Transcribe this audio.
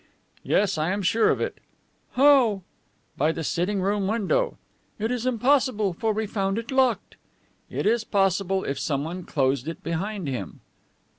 "Yes, I am sure of it." "How?" "By the sitting room window." "It is impossible, for we found it locked." "It is possible, if someone closed it behind him."